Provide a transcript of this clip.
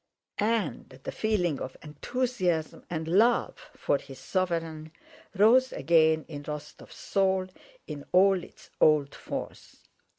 And the feeling of enthusiasm and love for his sovereign rose again in Rostóv's soul in all its old force.